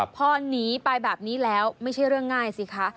พอหนีไปแบบนี้แล้วไม่ใช่เรื่องง่ายสิคะ